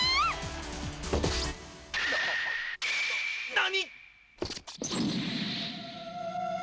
「何！？」